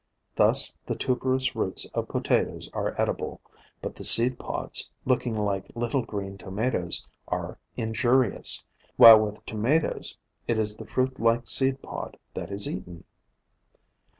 Thus the tuberous roots of Potatoes are edible, but the seed pods, looking like little green Tomatoes, are injurious, while with Tomatoes it is the fruit like seed pod that is eaten.